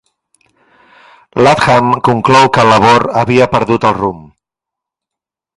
Latham conclou que Labor havia "perdut el rumb".